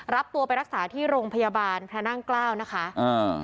รับตัวไปรักษาที่โรงพยาบาลพระนั่งเกล้านะคะอ่า